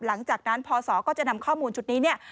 หลังจากนั้นพศก็จะนำข้อมูลชุดนี้เนี่ย